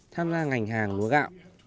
tham gia ngành hàng lúa gạo